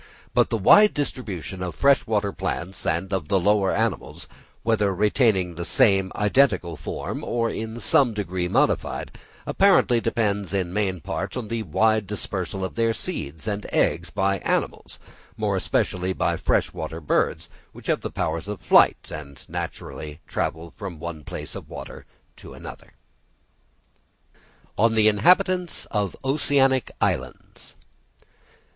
But the wide distribution of fresh water plants, and of the lower animals, whether retaining the same identical form, or in some degree modified, apparently depends in main part on the wide dispersal of their seeds and eggs by animals, more especially by fresh water birds, which have great powers of flight, and naturally travel from one piece of water to another. _On the Inhabitants of Oceanic Islands.